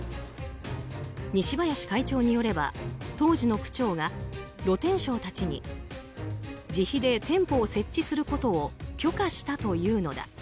西林会長によれば、当時の区長が露天商たちに自費で店舗を設置することを許可したというのだ。